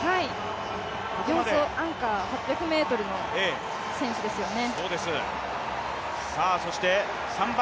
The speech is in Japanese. ４走アンカー、８００ｍの選手ですよね。